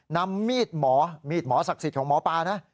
นำมีดหมอมีดหมอศักดิ์สิทธิ์ของหมอปลานะ